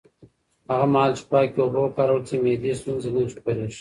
هغه مهال چې پاکې اوبه وکارول شي، معدي ستونزې نه خپرېږي.